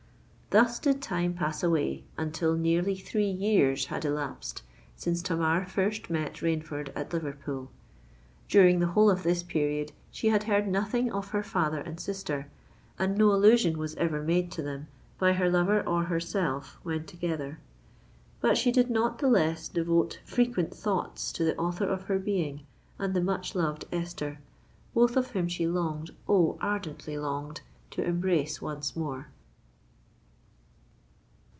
Thus did time pass away, until nearly three years had elapsed since Tamar first met Rainford at Liverpool. During the whole of this period she had heard nothing of her father and sister; and no allusion was ever made to them by her lover or herself when together. But she did not the less devote frequent thoughts to the author of her being and the much loved Esther, both of whom she longed—oh! ardently longed to embrace once more.